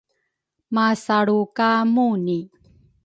masalru ka Muni.